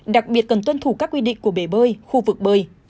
đặc biệt cần tuân thủ các quy định của bể bơi khu vực bơi